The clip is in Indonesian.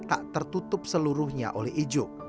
tak tertutup seluruhnya oleh ijuk